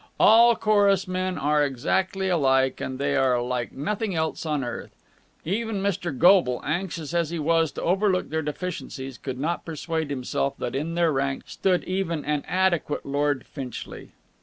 All chorus men are exactly alike, and they are like nothing else on earth. Even Mr. Goble, anxious as he was to overlook their deficiencies, could not persuade himself that in their ranks stood even an adequate Lord Finchley.